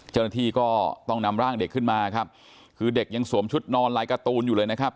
เจ้าหน้าที่ก็ต้องนำร่างเด็กขึ้นมาครับคือเด็กยังสวมชุดนอนลายการ์ตูนอยู่เลยนะครับ